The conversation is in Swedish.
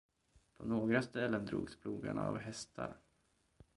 På några ställen drogs plogarna av hästar.